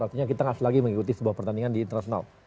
ratunya kita tidak selagi mengikuti sebuah pertandingan di internasional